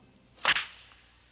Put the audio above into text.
あっ。